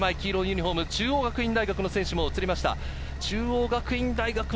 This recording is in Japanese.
黄色のユニホーム、中央学院大学の選手も映りました。